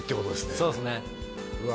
そうですねうわ